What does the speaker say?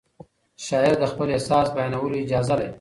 شاعر د خپل احساس بیانولو اجازه لري.